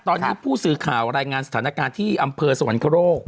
ตอนนี้ผู้สื่อข่าวรายงานสถานการณ์ที่อำเภอสวรรคโลก